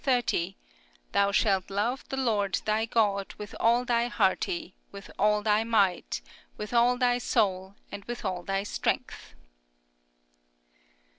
30: Thou shalt love the Lord Thy God with all thy hearty with all thy mind, with all thy soul, and with all thy strength.